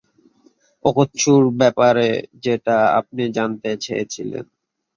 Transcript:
ওকোৎসুর ব্যাপারে যেটা আপনি জানতে চেয়েছিলেন।